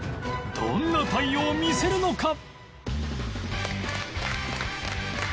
どんな対応を見せるのか？